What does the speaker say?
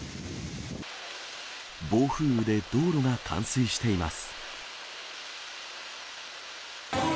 暴風雨で道路が冠水しています。